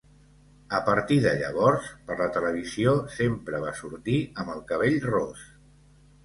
A partir de llavors, per la televisió sempre va sortir amb el cabell ros.